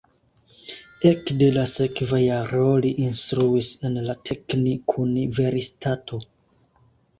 Ekde la sekva jaro li instruis en la teknikuniversitato.